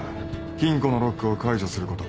金庫のロックを解除すること。